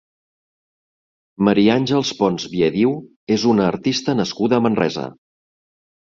Maria Àngels Pons Biadiu és una artista nascuda a Manresa.